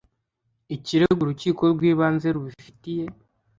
ikirego urukiko rw ibanze rubifitiye